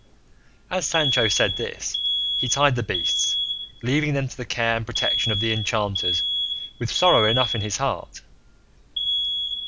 As Sancho said this, he tied the beasts, leaving them to the care and protection of the enchanters with sorrow enough in his heart.